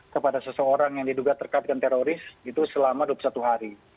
kepada seseorang yang diduga terkait dengan teroris itu selama dua puluh satu hari